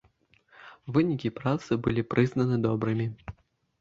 Вынікі працы былі прызнаны добрымі.